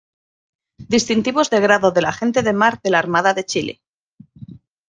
Distintivos de grado de la Gente de Mar de la Armada de Chile